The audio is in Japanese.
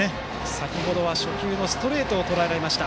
先程は初球のストレートをとらえました。